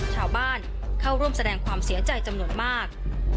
ชาวบ้านเข้าร่วมแสดงความเสียใจจำนวนมาก